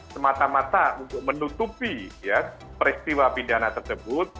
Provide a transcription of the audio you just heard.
semata mata untuk menutupi peristiwa pidana tersebut